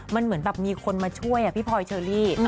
มันเหมือนแบบมีคนมาช่วยพี่พลอยเชอรี่